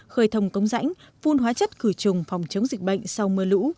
khởi thồng cống rãnh phun hóa chất cử trùng phòng chống dịch bệnh sau mưa lũ